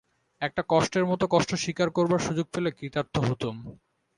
একটা কষ্টের মতো কষ্ট স্বীকার করবার সুযোগ পেলে কৃতার্থ হতুম।